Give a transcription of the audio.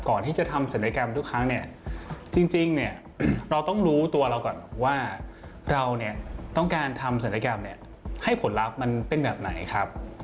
ก่อนที่จะทำศัลยกรรมทุกครั้งเนี่ยจริงเนี่ยเราต้องรู้ตัวเราก่อนว่าเราเนี่ยต้องการทำศัลยกรรมเนี่ยให้ผลลัพธ์มันเป็นแบบไหนครับ